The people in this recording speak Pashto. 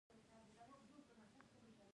د مصرف کونکو حقوق خوندي دي؟